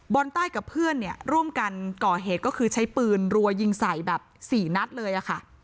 อนใต้กับเพื่อนเนี่ยร่วมกันก่อเหตุก็คือใช้ปืนรัวยิงใส่แบบสี่นัดเลยค่ะ